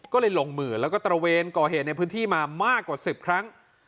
ก็เลยลงมือแล้วก็ตระเวนก่อเหตุในพื้นที่มามากกว่า๑๐ครั้ง